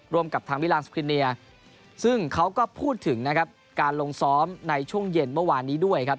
กับทางมิลานสคริเนียซึ่งเขาก็พูดถึงนะครับการลงซ้อมในช่วงเย็นเมื่อวานนี้ด้วยครับ